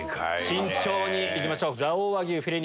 慎重にいきましょう。